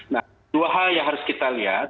nah dua hal yang harus kita lihat